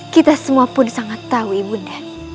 kita semua pun sangat tahu ibunda